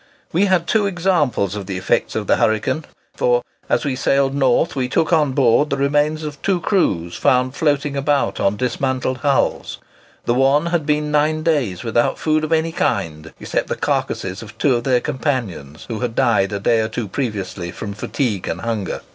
We had two examples of the effects of the hurricane; for, as we sailed north we took on board the remains of two crews found floating about on dismantled hulls. The one had been nine days without food of any kind, except the carcasses of two of their companions who had died a day or two previously from fatigue and hunger.